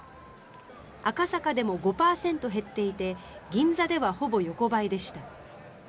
赤坂でも５％減っていて銀座では、ほぼ横ばいでした。